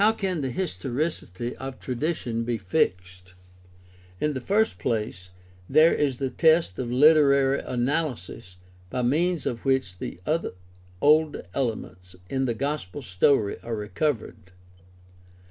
— How can the historicity of tradition be fixed ? In the first place there is the test of literary analysis by means of which the older elements in the gospel story are recovered.